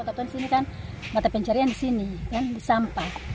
kota ambon sini kan mata pencarian di sini kan sampah